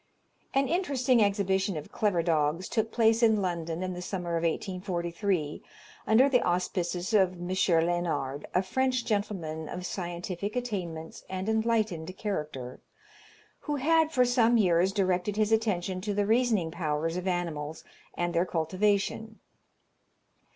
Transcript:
An interesting exhibition of clever dogs took place in London in the summer of 1843, under the auspices of M. Léonard, a French gentleman of scientific attainments and enlightened character, who had for some years directed his attention to the reasoning powers of animals, and their cultivation.